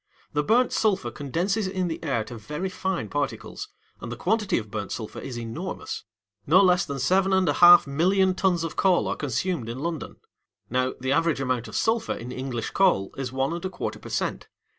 The burnt sulphur condenses in the air to very fine particles, and the quantity of burnt sulphur is enormous. No less than seven and a half millions of tons of coals are consumed in London. Now, the average amount of sulphur in English coal is one and a quarter per cent.